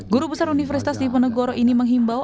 guru besar universitas diponegoro ini menghimbau